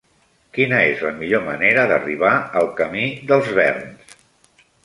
Quina és la millor manera d'arribar al camí dels Verns?